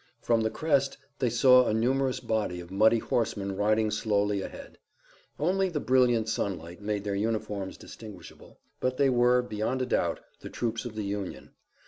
From the crest they saw a numerous body of muddy horsemen riding slowly ahead. Only the brilliant sunlight made their uniforms distinguishable, but they were, beyond a doubt, the troops of the Union.